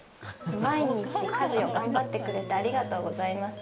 毎日家事を頑張ってくれてありがとうございます。